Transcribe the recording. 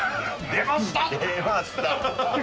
出ました。